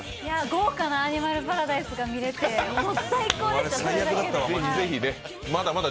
豪華なアニマルパラダイスが見れてもう最高でした、それだけで。